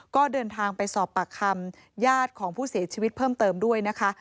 ก็เดินทางไปสอบปากคำญาติของผู้เสียชีวิตเพิ่มเติมด้วยนะคะ